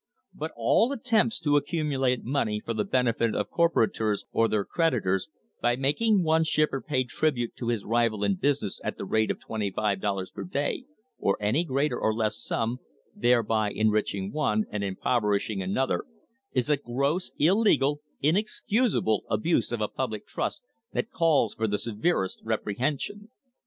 " But all attempts to accumulate money for the benefit of corporators or their creditors, by making one shipper pay tribute to his rival in business at the rate of twenty five dollars per day, or any greater or less sum, thereby enriching one and impoverishing another, is a gross, illegal, inexcusable abuse of a public trust that calls for the severest reprehension.